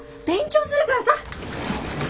勉強するからさ！